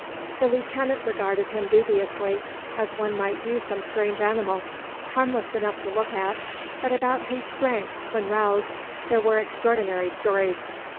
The Lieutenant regarded him dubiously, as one might view some strange animal, harmless enough to look at, but about whose strength, when roused, there were extraordinary stories.